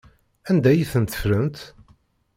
Anda ay tent-ffrent?